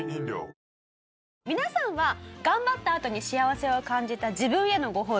皆さんは頑張ったあとに幸せを感じた自分へのごほうび